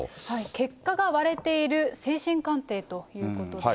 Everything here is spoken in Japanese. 結果が割れている精神鑑定ということです。